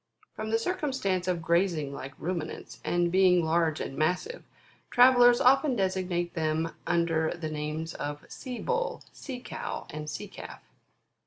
From the circumstance of grazing like Ruminants, and being large and massive, travellers often designate them under the names of Sea utl, Sea cow, and Sea calf.